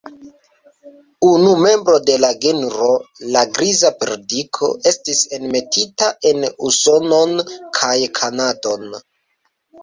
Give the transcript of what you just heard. Unu membro de la genro, la Griza perdriko, estis enmetita en Usonon kaj Kanadon.